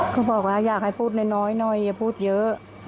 เขาบอกว่าอยากให้พูดน้อยหน่อยอย่าพูดเยอะ